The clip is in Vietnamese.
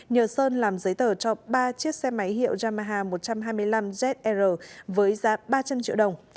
nhờ sơn làm giấy tờ cho ba chiếc xe máy hiệu yamaha một trăm hai mươi năm ezr với giá ba trăm linh triệu đồng